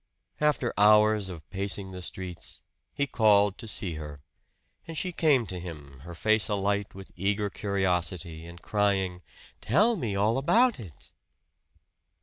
After hours of pacing the streets, he called to see her. And she came to him, her face alight with eager curiosity, and crying, "Tell me all about it!"